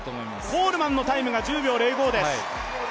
コールマンのタイムが１０秒０５です。